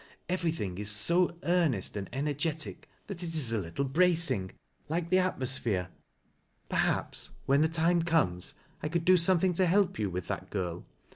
Everything is so earnest and ener getic, that it is a little bracing — ^like the atmosphere. Per haps — when the time comes — I could do something to help you with that girl.